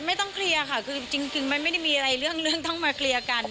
ไม่ต้องเคลียร์ค่ะคือจริงมันไม่ได้มีอะไรเรื่องต้องมาเคลียร์กัน